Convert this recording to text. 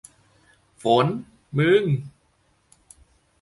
ฝน มึง